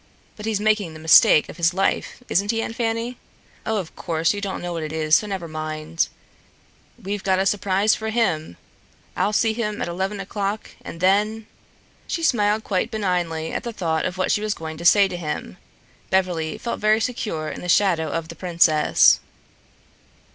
But he's making the mistake of his life, isn't he, Aunt Fanny? Oh, of course you don't know what it is, so never mind. We've got a surprise for him. I'll see him at eleven o'clock, and then " she smiled quite benignly at the thought of what she was going to say to him. Beverly felt very secure in the shadow of the princess.